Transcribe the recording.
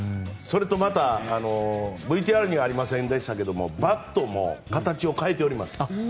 それと、またＶＴＲにはありませんでしたがバットも形を変えております。